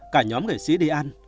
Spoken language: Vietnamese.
cả nhóm nghệ sĩ đi ăn